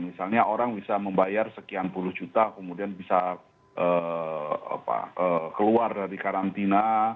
misalnya orang bisa membayar sekian puluh juta kemudian bisa keluar dari karantina